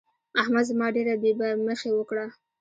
احمد زما ډېره بې مخي وکړه.